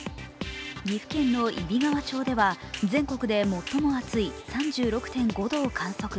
岐阜県の揖斐川町では全国で最も暑い３６．５度を観測。